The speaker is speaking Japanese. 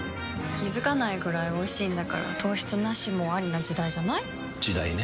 気付かないくらいおいしいんだから糖質ナシもアリな時代じゃない？時代ね。